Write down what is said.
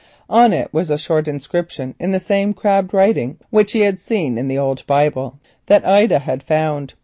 On it was a short inscription in the same crabbed writing which he had seen in the old Bible that Ida had found.